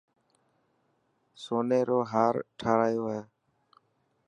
سوني رو هار ٺارايو هي.